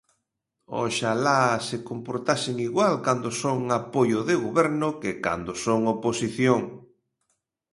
Oxalá se comportasen igual cando son apoio de goberno que cando son oposición.